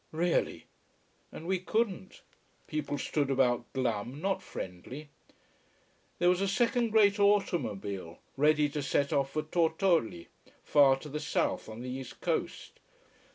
"Really!" And we couldn't. People stood about glum, not friendly. There was a second great automobile, ready to set off for Tortolì, far to the south, on the east coast.